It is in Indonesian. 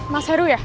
mas heru ya